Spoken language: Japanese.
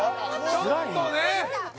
ちょっとね！